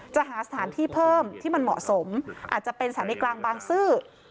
จะหาสถานที่เพิ่มที่มันเหมาะสมอาจจะเป็นสถานีกลางบางซื่อ